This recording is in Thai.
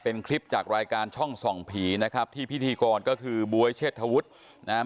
เป็นคลิปจากรายการช่องส่องผีนะครับที่พิธีกรก็คือบ๊วยเชษฐวุฒินะครับ